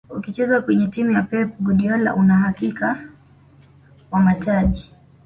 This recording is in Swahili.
ukicheza kwenye timu ya pep guardiola una uhakika wa mataji